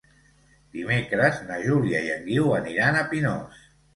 Dimecres na Júlia i en Guiu aniran a Pinós.